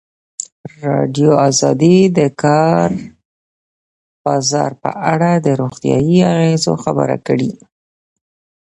ازادي راډیو د د کار بازار په اړه د روغتیایي اغېزو خبره کړې.